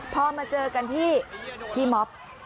พอมาเจอกันที่ม็อบ